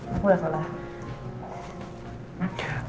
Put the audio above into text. aku udah tolak